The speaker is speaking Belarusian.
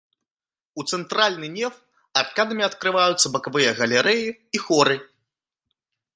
У цэнтральны неф аркадамі адкрываюцца бакавыя галерэі і хоры.